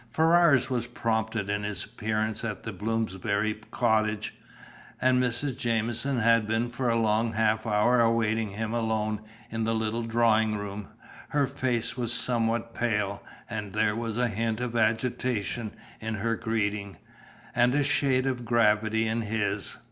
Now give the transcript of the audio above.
Ferrars was prompt in his appearance at the Bloomsbury cottage, and Mrs. Jamieson had been for a long half hour awaiting him alone in the little drawing room Her face was somewhat pale, and there was a hint of agitation in her greeting, and a shade of gravity in his.